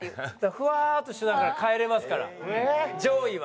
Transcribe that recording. フワーッとしながら帰れますから上位は。